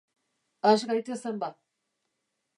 Has gaitezen ba.